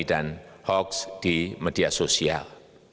dan hoaks di media sosial